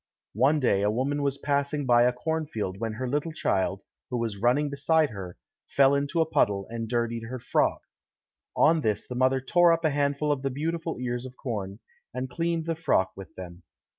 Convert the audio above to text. One day a woman was passing by a corn field when her little child, who was running beside her, fell into a puddle, and dirtied her frock. On this the mother tore up a handful of the beautiful ears of corn, and cleaned the frock with them.